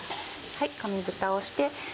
紙ぶたをして。